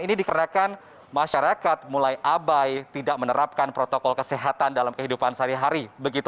ini dikarenakan masyarakat mulai abai tidak menerapkan protokol kesehatan dalam kehidupan sehari hari